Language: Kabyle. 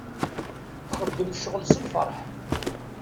Txeddem ccɣel s lferḥ.